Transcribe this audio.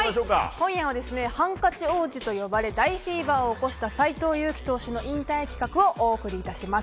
今夜はハンカチ王子と呼ばれ大フィーバーを起こした斎藤佑樹投手の引退企画をお送り致します。